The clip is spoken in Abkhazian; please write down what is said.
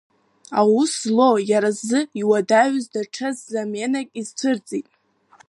Аус злоу, иара изы иуадаҩыз даҽа земанак изцәырҵит…